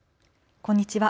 こんにちは。